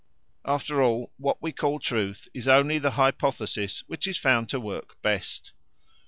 After all, what we call truth is only the hypothesis which is found to work best.